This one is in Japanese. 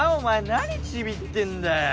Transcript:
何ちびってんだよ。